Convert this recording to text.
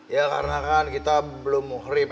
ya karena kan kita belum mukhrib